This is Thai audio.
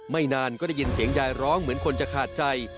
ไม่นานก็ได้ยินเสียงยายร้องเหมือนคนจะขาดใจ